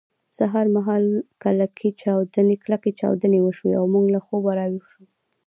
سهار مهال کلکې چاودنې وشوې او موږ له خوبه راویښ شوو